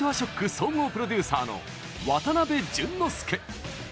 総合プロデューサーの渡辺淳之介。